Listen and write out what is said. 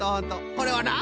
これはな